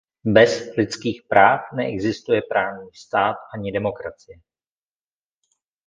Bez lidských práv neexistuje právní stát ani demokracie.